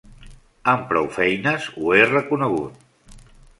Amb prou feines ho he reconegut.